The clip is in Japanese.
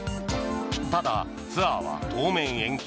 ただ、ツアーは当面延期。